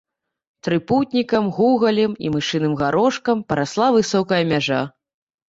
Трыпутнікам, гугалем і мышыным гарошкам парасла высокая мяжа.